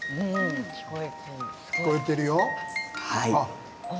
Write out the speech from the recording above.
聞こえているよ。